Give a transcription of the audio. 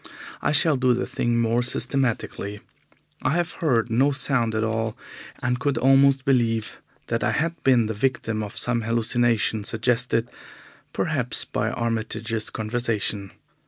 I shall do the thing more systematically. I have heard no sound at all, and could almost believe that I had been the victim of some hallucination suggested, perhaps, by Armitage's conversation.